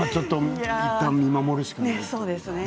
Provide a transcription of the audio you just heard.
いったん見守るしかね。